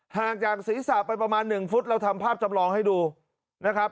ห่างจากศีรษะไปประมาณ๑ฟุตเราทำภาพจำลองให้ดูนะครับ